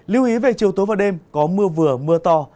lưu ý về chiều tối và đêm có mưa vừa mưa to